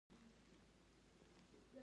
مېرمن مې روغتون ته ولاړه